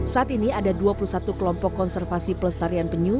saat ini ada dua puluh satu kelompok konservasi pelestarian penyu